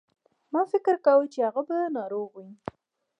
ما فکر کاوه چې هغه به ناروغ وي.